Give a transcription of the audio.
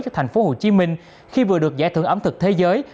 cho thành phố hồ chí minh khi vừa được giải thưởng ẩm thực thế giới